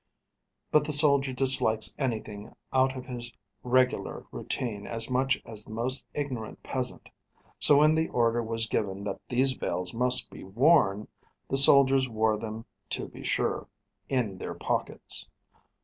But the soldier dislikes anything out of his regular routine as much as the most ignorant peasant; so when the order was given that these veils should be worn, the soldiers wore them to be sure in their pockets.